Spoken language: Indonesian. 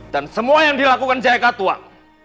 dan semua yang dilakukan jaya katuang